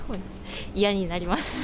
嫌になります。